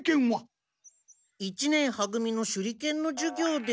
一年は組の手裏剣のじゅ業で。